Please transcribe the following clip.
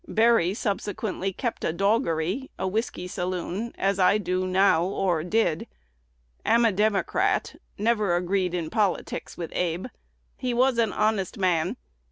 Berry subsequently kept a doggery, a whiskey saloon, as I do now, or did. Am a Democrat; never agreed in politics with Abe. He was an honest man.